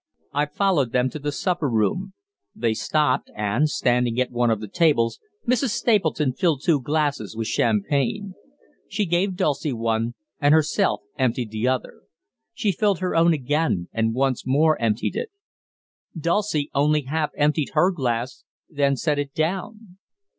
I followed them to the supper room. They stopped, and, standing at one of the tables, Mrs. Stapleton filled two glasses with champagne. She gave Dulcie one, and herself emptied the other. She filled her own again and once more emptied it. Dulcie only half emptied her glass, then set it down.